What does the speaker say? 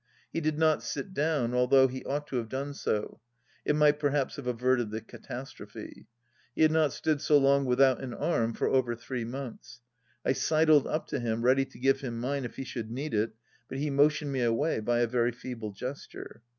He did not sit down, although he ought to have done so ; it might perhaps have averted the catastrophe. He had not stood so long without an arm for over three months. I sidled up to him, ready to give him mine if he should need it, but he motioned me away by a very feeble gesture.